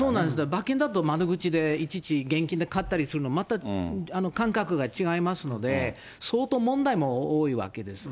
馬券だと窓口でいちいち現金で買ったりするのと、また感覚が違いますので、相当問題も多いわけです。